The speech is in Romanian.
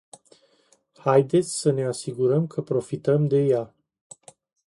Haideți să ne asigurăm că profităm de ea.